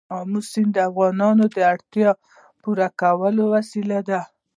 آمو سیند د افغانانو د اړتیاوو د پوره کولو وسیله ده.